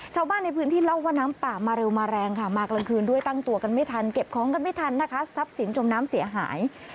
ชาวบ้านในพื้นที่เล่าว่าน้ำป่ามาเร็วมาแรงค่ะมากลางคืนด้วยตั้งตัวกันไม่ทันเก็บของกันไม่ทันนะคะทรัพย์สินจมน้ำเสียหาย